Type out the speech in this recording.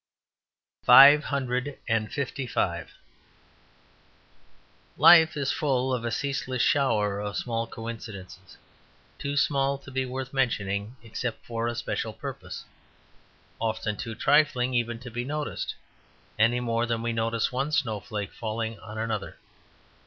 Five Hundred and Fifty five Life is full of a ceaseless shower of small coincidences: too small to be worth mentioning except for a special purpose, often too trifling even to be noticed, any more than we notice one snowflake falling on another.